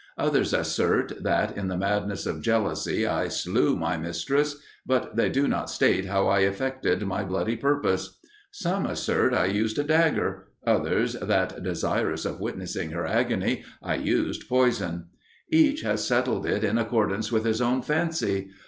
Others assert, that, in the madness of jealousy, I slew my mistress; but they do not state how I effected my bloody purpose. Some assert I used a dagger others that, desirous of witnessing her agony, I used poison. Each has settled it in accordance with his own fancy.